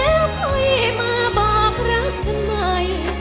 แล้วค่อยมาบอกรักฉันใหม่